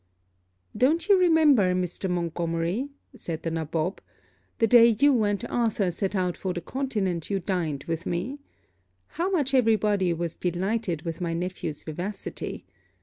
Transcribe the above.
'Don't you remember, Mr. Montgomery,' said the nabob, 'the day you and Arthur set out for the continent you dined with me? How much every body was delighted with my nephew's vivacity!